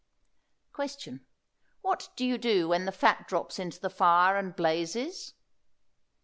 Question. What do you do when the fat drops in the fire and blazes?